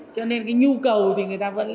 cho nên nhu cầu của người ta vẫn lớn